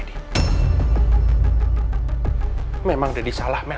dan gara gara dia tahu gak